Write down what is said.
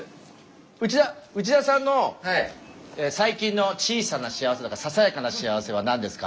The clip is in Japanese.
内田内田さんの最近の小さな幸せとかささやかな幸せは何ですか？